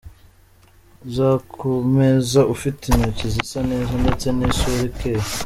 Za ku meza ufite intoki zisa neza ndetse n’isura ikeye;.